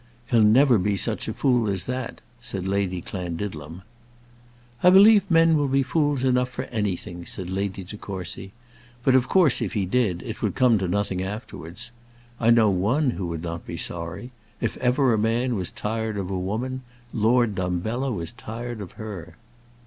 "He'll never be such a fool as that," said Lady Clandidlem. "I believe men will be fools enough for anything," said Lady De Courcy. "But, of course, if he did, it would come to nothing afterwards. I know one who would not be sorry. If ever a man was tired of a woman, Lord Dumbello is tired of her."